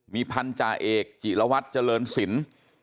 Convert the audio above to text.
มีพันธาเอกจิลวัตรเจริญศิลป์